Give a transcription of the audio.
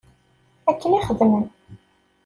Akken i xedmen.